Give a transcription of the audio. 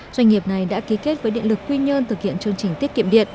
doanh nghiệp này đã ký kết với điện lực quy nhơn thực hiện chương trình tiết kiệm điện